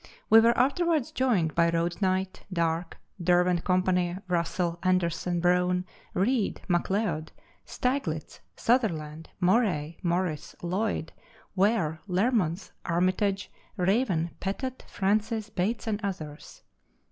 We were afterwards joined by Roadknight, Darke, Der went Company, Russell, Anderson, Brown, Read, McLeod, Steiglitz, Sutherland, Murray, Morris, Lloyd, Ware, Learmonth, Armytage, Raven, Pettett, Francis, Bates, and others.